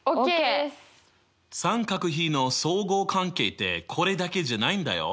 三角比の相互関係ってこれだけじゃないんだよ。